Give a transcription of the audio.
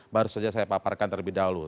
baru saja saya paparkan terlebih dahulu